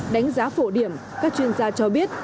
đánh giá phổ điểm các chuyên gia cho biết